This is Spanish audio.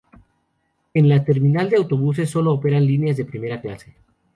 En la terminal de autobuses sólo operan lineas de primera clase.